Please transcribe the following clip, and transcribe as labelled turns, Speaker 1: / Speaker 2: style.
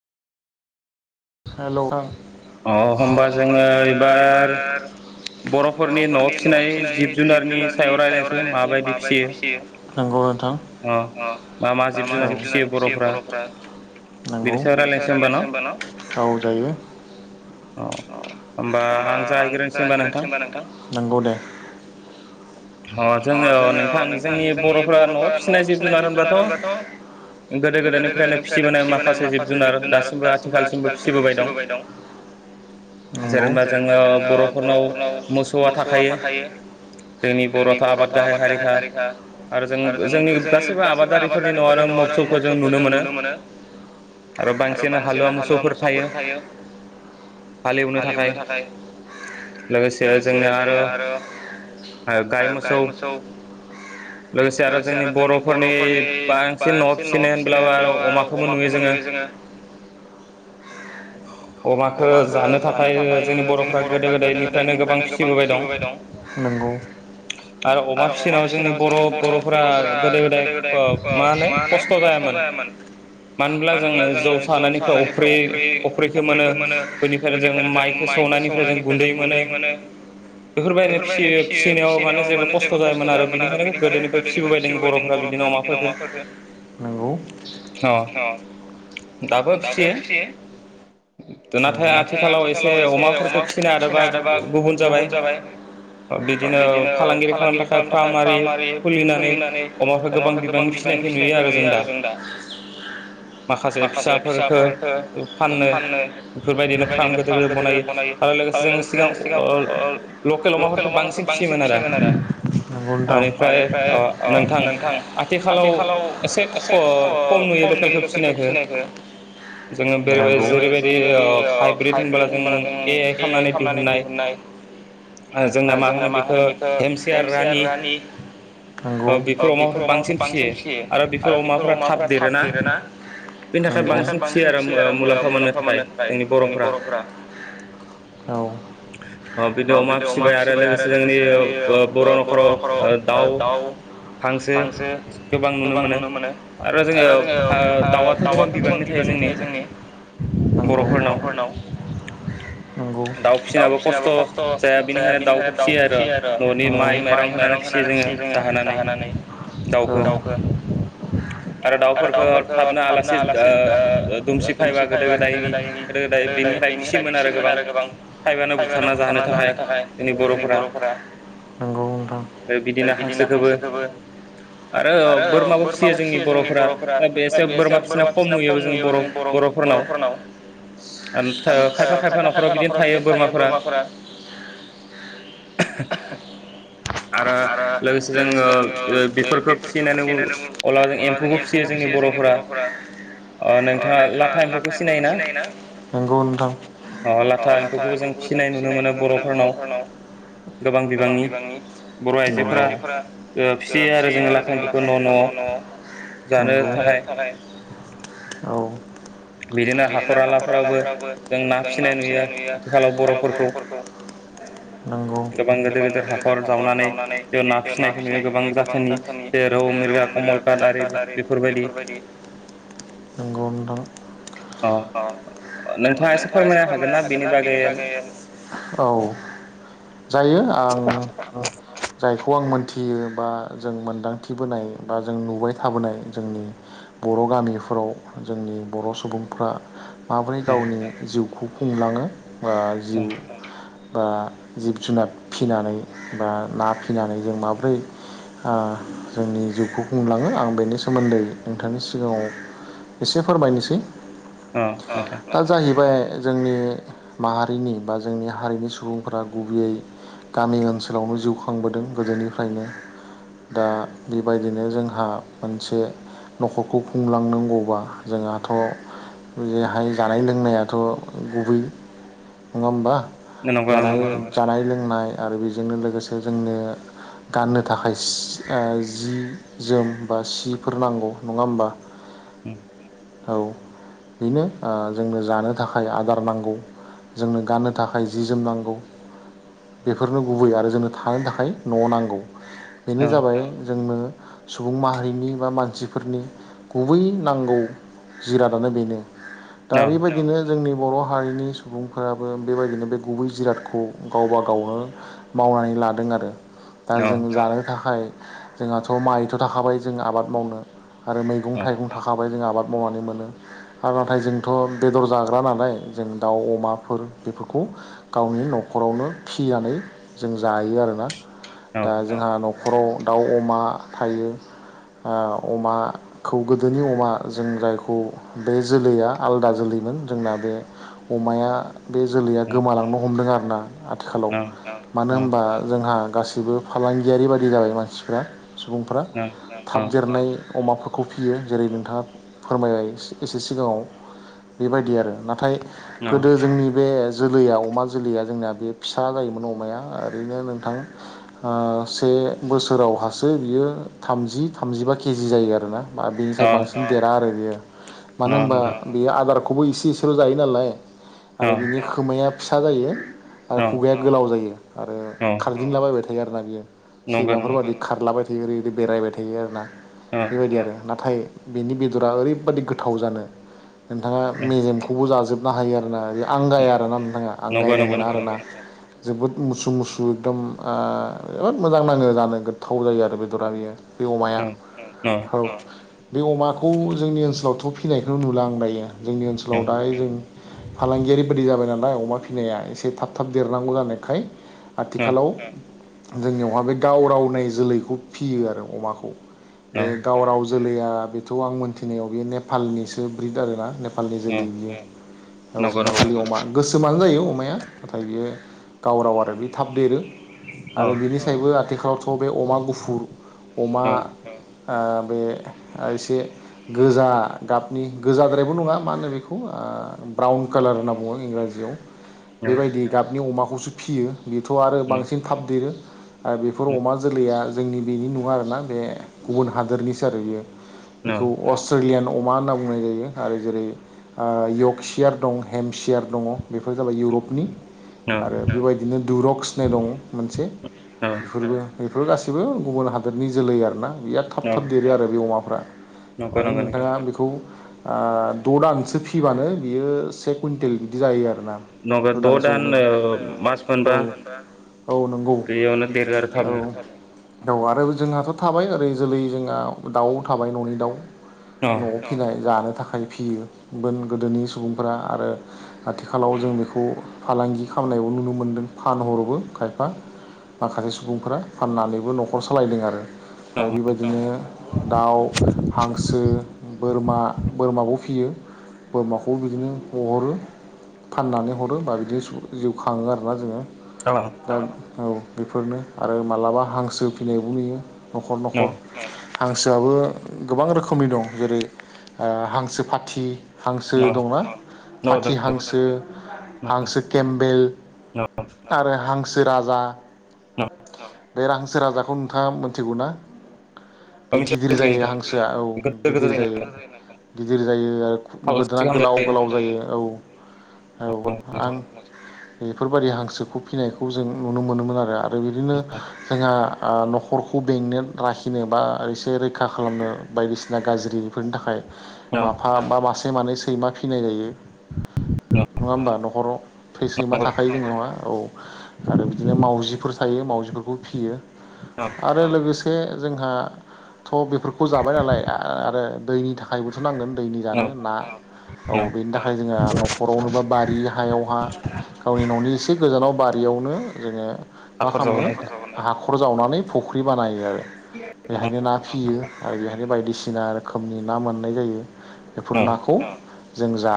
Speaker 1: हेल'
Speaker 2: अ होनबा जोङो एबार
Speaker 1: बर'फोरनि न'आव फिसिनाय जिब जुनारनि सायाव राय्लायनोसै माबायदि फिसियो नंगौ नोंथां । अ मा मा होनानै फियो बर'फोरा नंगौ बेनि सायाव राय्लायनोसै होनबा ना औ जायो। अ होमबा आं जागायग्रोनोसै होनबा नोंथां नंगौ दे। [inaudible] अ जोङो नोंथां जोंनि बर'फोरा न'आव फिसिनाय जिब जुनार होनबाथ' गोदो गोदायनिफ्रायनो फिसिबोनाय माखासे जिब जुनार दासिमबो आथिखालसिमबो फिसिबोबाय दं। [inaudible]
Speaker 2: जेरोमबा जोंङो बर'फोरनाव मोसौआ थाखायो। जोंनि बर' आथ' आबाद गाहाय हारिखा। आरो जों जोंनि गासैबो आबादारिफोरनि न'आनो मोक्सौफोरजोंं नुनो मोनो। आरो बांसिन हालुवा मोसौफोर थायो। हालेवनो थाखाय लोगोसे जोंनिआ आरो। हायव गाय मोस
Speaker 1: गाय मोसौ। लोगोसे आरो जोंनि बर'फोरनि बायोंसिन न'आव फिसिनो होनब्लाबो आरो अमाखौबो म [unintelligible] जोंङो। अमाखो जानो थाखाय ओ जोंनि बर'फ्रा गोदो गोदायनिफ्रायनो गोबां फिसिबोबाय दं। नोंगौ। आरो अमा फिसिनायाव जोंनि बर' बर'फोरा गोदो गोदायभ ओ मा होनो खस्थ' जाद दो मोन।
Speaker 2: मानो होनब्ला जोंङो जौ सानायनिफ्राय अफ्रि अफ्रिखो मोनो बेनिफ्रायनो जों माइखोस सौनायनिफ्राय जों गुन्दै मोनो बेफोरबायदिनो फिसि फिसिनायाव माने जो
Speaker 1: मानो जेबो खस्थ' जायोमोन आरो बेनिखायनो गोदोनिफ्राय फिसिबोबायदों बर'फ्रा बिदिनो अमाफोरफोरजो। नोंगौ अ दाबो फिसियो। नाथाय आथिखालाव एसे अमाफोरखो फिसिनाय आदबा गुबुन जाबाय। [inaudible]
Speaker 2: बिदिनो फालांगि यि खालामनो थाखाय फार्म आरि खुलिनानै अमाफोरखो गोबां बिबांनि फिसिनायखौ नुयो आरो जों दा।
Speaker 1: [inaudible]
Speaker 2: माखासे फिसाफोरफोरखो फाननो। बेफोरबायदिनो फार्म गिदिर गिदिर बनायो आरो लोगोसे जों सिगां ओ लकेल अमाफोर खो बांसिन फियोमोन आरो।
Speaker 1: ओन आरो। नोंगौ नोंथां एनिफ्राय ओ नोंथां आथिखालाव एसेख ओ खम नुयो लकेलखो फिसिनायखो। नोंगौ जेरैबायदिओ हाइब्रिद होनबा जों ए आइ खालामनानै दिहुनन्नाय।
Speaker 2: ओ जोंना मा होनो बेखो।
Speaker 1: ओ एम सि आर रानि। नोंगौ बा बेफोर अमाफोरखौ बांसिन फियो आरो बेफोर अमाफोरा थाब देरोना। नंगौ बेनि थाखाय बांसिन फिसियो आरो उम ओ मुलाम्फा मोननो थाखाय जोंनि ब औ ओ बिनदअ
Speaker 2: सिबाय आरो लोगोसे जोंनि ओब हांसो गोबां नुनो मोनो। आरो जोंङो ‌ओ दाउआथ' गोबां बिबांनि थायो जोंनि।
Speaker 1: नोंगौ बर'फोरनाव।
Speaker 2: दाउ फिसिनायाबो खस्थ' जाया बेनिखायनो दाउखौ फिसियो
Speaker 1: सियो आरोै न नि माइ माइरं होनानै फिसियो जोङो जाहोनानै। औ दावफो
Speaker 2: [inaudible] थाय फिसियोमोन आरो गोबां फाइबानो बुथारना जाहोनो थाखाय जोंनि बर'फोरा।
Speaker 1: फोरा नोंगौ नोंथां दा बिदिनो हांसोखोबो। आरो बोरमाबो फिसियो जोंनि बर'फोरा दा बेसथो बोरमा फिसिना खम नुयोबो जों बर' बर'फोरनाव। ओमथा खायफा खायफा न'खरा बिदिनो थायो बोरमाफोरा। [inaudible] आरो लोगोसेनो जोङो बेफोरखो फिनानै अला जों एम्फौबो जोंनि बर' फोरा ओ नोंथाङा लाथा एम्फौखौ सिनायोना? नंगौ नोंथां ओ लाथा एम्फौखौबो जों फिसिनाय नुनो मोनो बर' फोरनाव गोबां बिबांनि नंगौ बर' आइजोफोरा ओ फिसियो आरो जोङो लाथा एम्फौखौ न' न'आव‌ नंगौ जानो थाखाय औ बिदिनो हाखर हलाफ्रावबो जों ना फिसिनाय नुयो आथिखालाव बर'फोरखौ नोंगौ गोबां गोदोर गोदोर हाखर जावनानै बेयाव ना फिसिनायखौ नुयो गोबां गाथोननि रौ मिर गा, कमलकात आरि बेफोरबायदि नोंगौ नोंथां ओ ओ नोंथाङा एसे फोरमायनो हागोन ना बेनि बागै? औ जायो आं जायखौ आं मोनथियो बा जों मोन्दांथि बोनाय बा जों नुबाय थाबोनाय जोंनि बर' गामिफोराव जोंनि नि बर' सुबुंफ्रा माबोरै गावनि जिउखौ खुंलाङो बा जिउ बा जुनाद फिसिनानै बा ना फिनानै जों माबोरै ओ जोंनि जिउखौ खुंलाङो आं बेनि सोमोन्दै नोंथांनि सिगाङाव एसे फोरमायनोसै ओ दा जाहैबाय जोंनि माहारिनि बा जोंनि हारिनि सुबुंफोरा गु गुबैयै गामि ओन्सोलावनो जिउ खांबोदों गोदोनिफ्रायनो । दा बेबायदिनो जोंहा मोनसे न'खरखौ खुंलांनांगौबा जोंहाथ' बेहाय जानाय लोंनायाथ' गुबै नङा होमबा?
Speaker 2: नंगो नंगो नोंथां।
Speaker 1: जानाय लोंनाय आरो बेजोंनो लोगोसे जोंनो गाननो थाखाय सि ओ जि जोम बा सिफोर नांगौ नङा होमबा?
Speaker 2: ओम
Speaker 1: औ बेनो ओ जोंनो जानो थाखाय आदार नांगौ, जोंनो गाननो थाखाय जि-जोम नांगौ। बेफोरनो गुबै आरो जोंनो थानो थाखाय न' नांगौ। बेनो जाबाय जोंनो सुबुं माहारिनि बा मानसिफोरनि गुबै नांगौ जिरादानो बेनो। दा बेबायदिनो जोंनि बर' हारिनि सुबुंफोराबो बेबायदिनो बे गुबै जिरादखौ खौ गावबा गावनो मावनानै लादों आरो दा जों जानो थाखाय। जोंहाथ' माइथ' थाखाबाय जों आबाद मावनो आरो मैगं-थायगं थाखाबाय । जों आबाद मावनानै मोनो । आरो नाथाय जोंथ' बेदर जाग्रा नालाय जों दाउ, अमाफोर बेफोरखौ गावनि न' न'खरावनो फिनानै जों जायो आरोना दा औ जोंहा नख न'खराव दाउ, अमा थायो। ओ अमाखौ गोदोनि अमा जों जायखौ बे जोलैया आलदा जोलै। बेमोन जोंना बे अमाया बे जोलैया गोमालांनो हमदों आरो। आथिखालाव ओ मानो होनबा जोंहा गासिबो फालांगियारि बायदि जाबाय मानसिफ्रा। सुबुंफोरा थाब देरनाय अमाफोर खौ फियो जेरै नोंथाङा फोरमायबाय सो एसे सिगाङाव बेबायदि आरो। नाथाय गोदो जोंनि बे जोलैया अमा जोलैया जोंनिया। बे फिसा जायोमोन अमाया ओरैनो नोंथां ओ से बोसोराव हासो बियो। ओ थामजि थामजिबा केजि जायो आरोना। बेनिफ्राय बांसिन ओ देरा आरो बियो मानो होनबा ओ बेयो आदार खौबो इसे इसेल' जायो नालाय आरो बिनि खोमाया फिसा जायो। ओ खुगाया गोलाव जायो आरो खारगिंलाबायबाय थायो आरोना बियो सैमाफोराबादि खार लाबाय थायो औरै औरै बेरायबाय थायो आरोना, बेबायदि आरो नाथाय बेनि बेदरा ओरैबादि गोथाव जानो नोंथाङा मेजेमखौबो जाजोबनो हायो आरोना आंगाया आरोना नोंथाङा आंगायनाय मोना आरोना। जोबोद मुसु मुसु एकदम आ ओयद मोजां नाङो जानो गोथाव जायो आरो बेदरा बेयो बे अमाया हौ बे अमाखौ जोंनि ओनसोलावथ फिनायखौनो नुला आं दायो। जोंनि ओनसोलाव दाहाय जों फालांगियारि बादि जाबाय नालाय अमा फिनाया एसे थाब थाब देरनांगौ जानायखाय आथिखालाव जोंनियावहा बे गाव रावनाय जोलैखौ फियो आरो अमाखौ बे दावराव ज जोलैया बेथ आं मोनथिनायाव बे नेपालनिसो ब्रिद आरोना नेप पालनि जोलै बियो औ नेपालि अमा गोसोमानो जायो अमाया । बियो गावराव आरो बे थाब देरो आरो बिनि सायबो आथिख थावथ बे अमा गुफुर अमा आ बे आ एसे गोजा गाबनि गोजाद्रायबो नङा मा होनो बेखौ आ आ ब्राउन कालार होनना बुङो इंराजियाव बेबायदि गाबनि अमाखौसो फियो बेथ आरो बांसिन थाब देरो आर बेफोर अमा जोलैया जोंनि बेनि नङा आरोना बे गुबुन हादोरनिसो आरो इयो बेखौ अस्ट्रेलियान अ अमा होनना बुंनाय जायो आरो जेरै आ यगसियार दं हेमसियार दङ बेफोर जाबाय इउरप नि आरो बेबायदिनो दुरक्स होननाय दं मोनसे बेफोरबो फुर लासैबो गुबुन हादोरनि जोलै आरना बिराद थाब थाब देरो आरो बे अमाफ्रा माने नोंथाङा बेखौ आ द' दानसो फिबानो बियो से कुइन्टेल बिदि जायो आरोना गोदान सौनो औ औ नंगौ औ औ आरो जोंहाथ थाबाय ओरै जोलै जोंहा दाउ थाबाय न'नि दाउ न'आव फिनाय जानो थाख खाय फियो बोन गोदोनि सुबुंफोरा आरो आथिखालाव जों बेख खौ फालांगि खालामनायबो नुनो मोन्दों फानहरोबो खायफा माखासे सुबुंफोरा फाननानैबो न'खर सालायदों आरो आय बेबायदिनो दाउ हांसो बोरमा बोरमाखौ फियो बोरमाखौ बिदिनो हरो हरो बा बिदिनो सुर जिउ खाङो आरोना जोङो दा औ बेफोरनो आरो मालाबा हांसो फिनायबो नुयो न'खर न'खर हांसो जाबो गोबां रोखोमनि दं जेरै आ हांसो फाथि हांसो दंना फाथि हांसो हांसो केमबेल आरो हांसो राजा बे रांसो राजाखौ नोंथाङा मोनथिगौ ना बे गिदिर जायो हांसोआ औ गिदिर जायो गिदिर जायो आरो गोदोना गोलाव गोलाव जायो औ औ आं एफोरबादि हांसोखौ फिनायखौ जों नुनो मोनोमोन आरो रो बिदिनो जोंहा आ न'ख खरखौ बेंनो लाखिनो बा एसे रैखा खालामनो बायदिसिना गाज्रि बेफोरनि थाखाय माफा बा मासे मानै सैमा फिनाय जायो नङा होमबा न'खराव थै सैमा थाखायो बुङो नङा औ आरो बिदिनो मावजिफोर थायो मावजिफोरखौ फियो आरो लोगोसे जोंहा थ' बेफोरखौ जाबाय नालाय आरो दैनि थाखायबोथ नांगोन दैनि जानो ना औ बेनि थाखाय जोङो न'खरावनोबा बारि हायावहा गावनि न'नि एसे गोजानाव बारियावनो जोङो मा खामो हाखर जावनानै फख्रि बानायो आरो बेहायनो ना फियो आरो बेहायनो बायदिसिना रोखोमनि ना मोननाय जायो बेफोर नाखौ जों जा